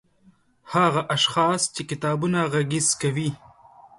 هغه اشخاص چې کتابونه غږيز کوي